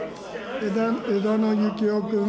枝野幸男君。